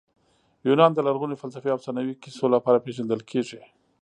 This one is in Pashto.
یونان د لرغوني فلسفې او افسانوي کیسو لپاره پېژندل کیږي.